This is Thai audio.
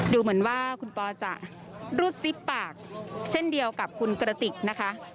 ดูเหมือนว่าคุณปอจะรูดซิบปากเช่นเดียวกับคุณกระติกนะคะ